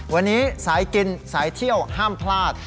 วันนี้สายกินสายเที่ยวห้ามพลาด